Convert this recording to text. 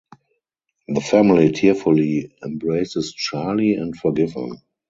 The family tearfully embraces Charlie and forgive him.